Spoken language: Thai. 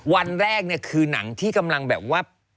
วันแรกเนี่ยคือหนังที่กำลังแบบว่า